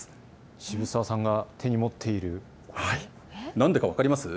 渋沢さんが手に持っているのはなんだか分かります？